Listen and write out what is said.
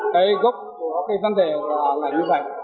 cái gốc của cái vấn đề là như vậy